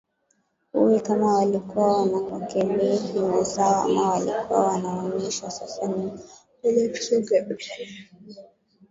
ui kama walikuwa wanawakebehi wenzao ama walikuwa wanaonyesha sasa ni wamoja tusonge mbele